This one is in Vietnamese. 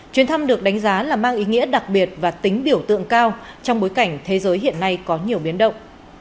chuyến thăm được đánh giá là mang ý nghĩa đặc biệt và tính biểu tượng cao trong bối cảnh thế giới hiện nay có nhiều biến động